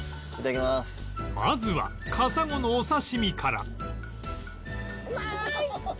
まずはカサゴのお刺し身から